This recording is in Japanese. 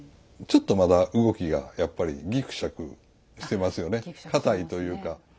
ちょっとまだ動きがやっぱりぎくしゃくしてますよね硬いというか。